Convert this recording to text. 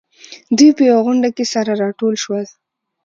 دوی په يوه غونډه کې سره راټول شول.